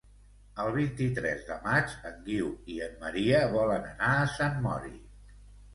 El vint-i-tres de maig en Guiu i en Maria volen anar a Sant Mori.